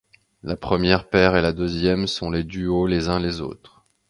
La première paire et la deuxième sont les duaux les uns les autres.